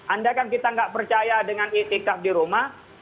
anda kan kita tidak percaya dengan ikhtiqah di rumah